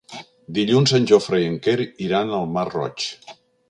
Dilluns en Jofre i en Quer iran al Masroig.